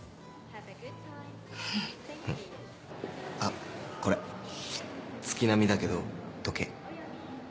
あっこれ月並みだけど時計。